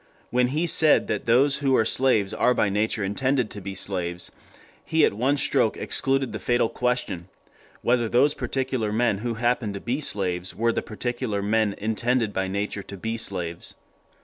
When he had said that those who are slaves are by nature intended to be slaves, he at one stroke excluded the fatal question whether those particular men who happened to be slaves were the particular men intended by nature to be slaves.